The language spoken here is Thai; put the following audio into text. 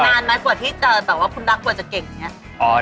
นานไหมกว่าที่จะแบบว่าคุณรักกว่าจะเก่งอย่างนี้